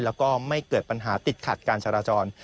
แล้วก็ไม่เกิดปัญหาติดขัดการจราจร